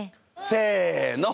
せの！